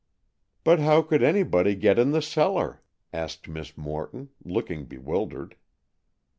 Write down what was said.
"But how could anybody get in the cellar?" asked Miss Morton, looking bewildered.